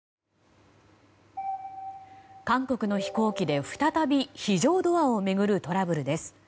韓国の飛行機で再び非常ドアを巡るトラブルです。